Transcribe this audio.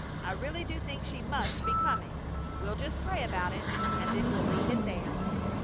I really do think she must be coming! We'll just pray about it and then we'll leave it there!"